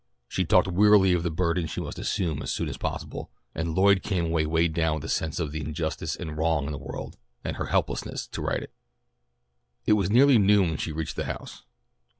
She talked wearily of the burden she must assume as soon as possible, and Lloyd came away weighed down with a sense of the injustice and wrong in the world and her helplessness to right it. It was nearly noon when she reached the house.